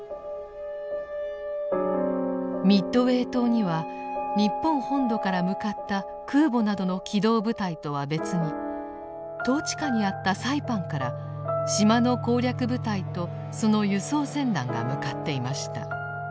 ミッドウェー島には日本本土から向かった空母などの機動部隊とは別に統治下にあったサイパンから島の攻略部隊とその輸送船団が向かっていました。